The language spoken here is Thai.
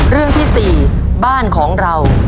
เรื่องที่๔บ้านของเรา